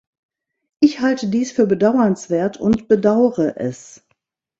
Ich halte dies für bedauernswert und bedaure es.